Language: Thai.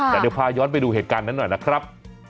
แต่เดี๋ยวพาย้อนไปดูเหตุการณ์นั้นหน่อยนะครับ